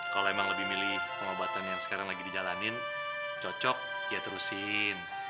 kalau emang lebih milih pengobatan yang sekarang lagi dijalanin cocok ya terusin